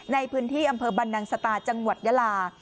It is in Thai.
ในพื้นที่อำเภอบรรนังสตาจังหวัดยาลา